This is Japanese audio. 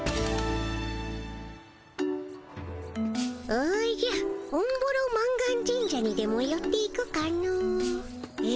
おじゃオンボロ満願神社にでもよっていくかの。え？